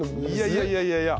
いやいやいやいや。